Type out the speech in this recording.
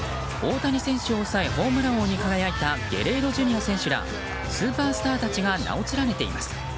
代表候補には大谷選手を抑えホームラン王に輝いたゲレーロＪｒ．選手らスーパースターたちが名を連ねています。